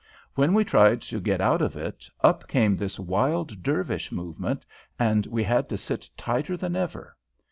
When we tried to get out of it, up came this wild Dervish movement, and we had to sit tighter than ever.